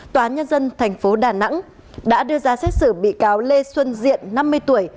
tòa nhân dân tp đà nẵng đã đưa ra xét xử bị cáo lê xuân diện năm mươi tuổi